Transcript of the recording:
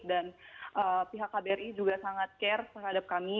dan pihak kbri juga sangat care terhadap kami